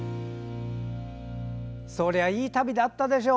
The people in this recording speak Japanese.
そりゃいい旅だったでしょ。